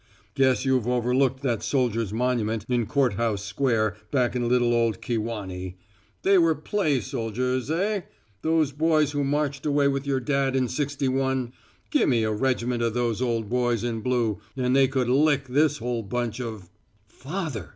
Guess you've overlooked that soldiers' monument in Courthouse Square back in little old Kewanee. They were 'play soldiers,' eh? those boys who marched away with your dad in sixty one. Gimme a regiment of those old boys in blue, and they could lick this whole bunch of " "Father!"